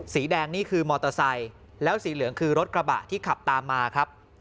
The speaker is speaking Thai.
สีแดงนี่คือมอเตอร์ไซค์แล้วสีเหลืองคือรถกระบะที่ขับตามมาครับ